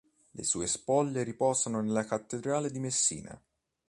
Le sue spoglie riposano nella cattedrale di Messina.